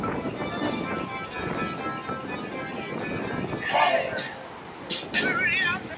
The following articles contain brief timelines listing the most prominent events of the decade.